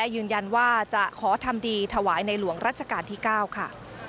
ยืนยันว่าจะขอทำดีถวายในหลวงรัชกาลที่๙ค่ะ